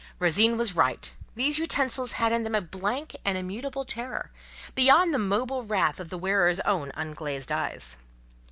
Rosine was right; these utensils had in them a blank and immutable terror, beyond the mobile wrath of the wearer's own unglazed eyes.